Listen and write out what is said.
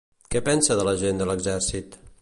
Què pensa de la gent de l'exèrcit?